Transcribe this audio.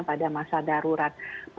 pada masa darurat